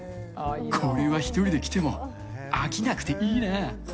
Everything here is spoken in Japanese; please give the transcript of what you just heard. これは１人で来ても飽きなくていいな。